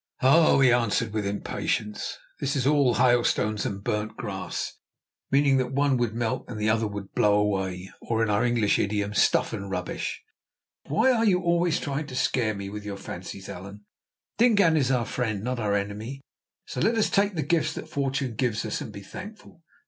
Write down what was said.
"Oh!" he answered with impatience, "this is all hailstones and burnt grass" (meaning that the one would melt and the other blow away, or in our English idiom, stuff and rubbish). "Why are you always trying to scare me with your fancies, Allan? Dingaan is our friend, not our enemy. So let us take the gifts that fortune gives us and be thankful.